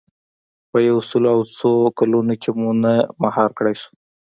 په یو سل او څو کلونو کې مو نه مهار کړای شو.